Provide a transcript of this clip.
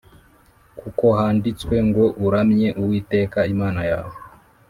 kuko handitswe ngo ‘Uramye Uwiteka Imana yawe